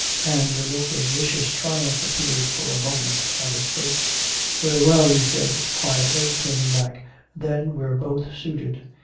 And a look of vicious triumph appeared for a moment on his face. "Very well," he said quietly, turning back. "Then we're both suited."